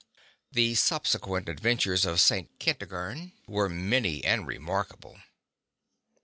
The subsequent adventures of St. Kentigern were many and remarkable.